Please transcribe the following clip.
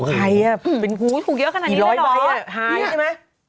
ใครอ่ะเป็นผู้ถูกเยอะขนาดนี้แล้วเหรอ